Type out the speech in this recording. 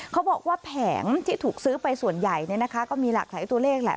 เขาบอกว่าแผงที่ถูกซื้อไปส่วนใหญ่ก็มีหลากหลายตัวเลขแหละ